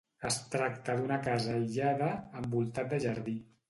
Es tracta d'una casa aïllada, envoltat de jardí.